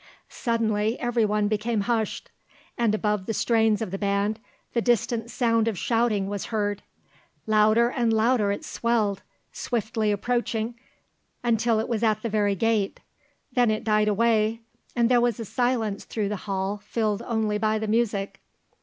Suddenly everyone became hushed, and above the strains of the band the distant sound of shouting was heard. Louder and louder it swelled, swiftly approaching until it was at the very gate; then it died away, and there was a silence through the hall filled only by the music.